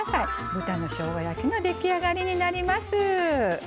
豚のしょうが焼きの出来上がりになります。